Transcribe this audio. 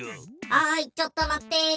はいちょっと待って。